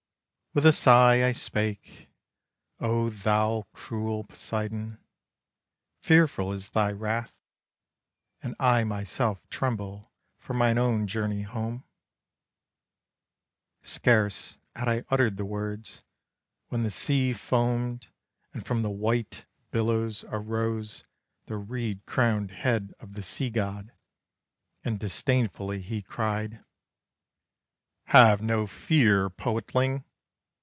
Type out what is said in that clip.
With a sigh I spake: "Oh, thou cruel Poseidon, Fearful is thy wrath, And I myself tremble For mine own journey home." Scarce had I uttered the words, When the sea foamed, And from the white billows arose The reed crowned head of the sea god. And disdainfully he cried: "Have no fear, Poetling!